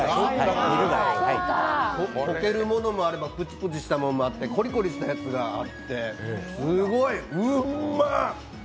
溶けるものもあればプチプチしたものもあって、コリコリしたやつがあって、すごい、うんま！